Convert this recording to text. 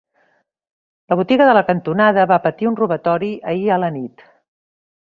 La botiga de la cantonada va patir un robatori ahir a la nit.